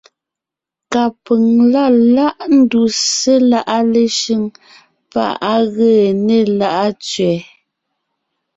Kapʉ̀ŋ la láʼ ńduse láʼa Leshʉŋ pá ʼ á gee né Láʼa tsẅɛ.